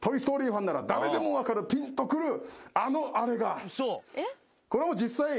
ファンなら誰でも分かるピンとくるあのあれが！